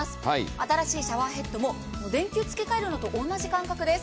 新しいシャワーヘッドも電球を付け替えるのと同じ感覚です。